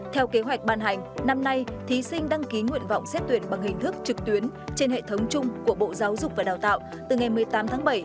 theo kế hoạch ban hành năm nay thí sinh đăng ký nguyện vọng xét tuyển bằng hình thức trực tuyến trên hệ thống chung của bộ giáo dục và đào tạo từ ngày một mươi tám tháng bảy